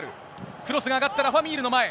クロスが上がった、ラファ・ミールの前。